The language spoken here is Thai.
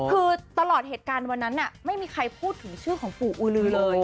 คือตลอดเหตุการณ์วันนั้นไม่มีใครพูดถึงชื่อของปู่อือลือเลย